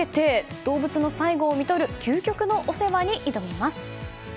動物の最期をみとる究極のお世話に挑みます。